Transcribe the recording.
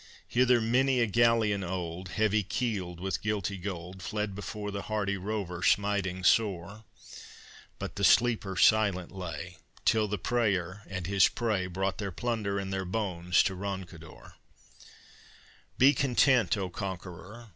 Hither many a galleon old, Heavy keeled with guilty gold, Fled before the hardy rover smiting sore; But the sleeper silent lay Till the preyer and his prey Brought their plunder and their bones to Roncador. Be content, O conqueror!